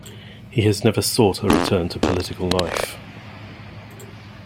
He has never sought a return to political life.